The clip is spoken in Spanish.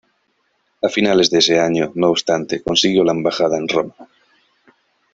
A finales de ese año, no obstante, consiguió la embajada en Roma.